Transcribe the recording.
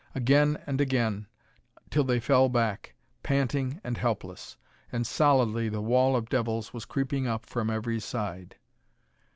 Again and again, till they fell back, panting and helpless. And solidly the wall of devils was creeping up from every side.